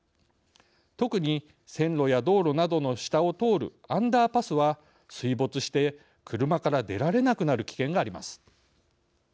特に線路や道路などの下を通るアンダーパスは水没して車から出られなくなる危険があります。